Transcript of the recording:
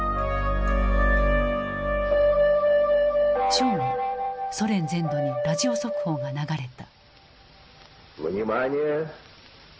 正午ソ連全土にラジオ速報が流れた。